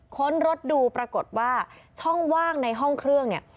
ค้นรถดูปรากฏว่าช่องว่างในห้องเครื่องเนี่ย